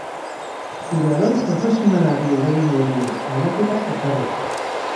Zure alor profesionalari eragingo dio, aldaketak ekarriz.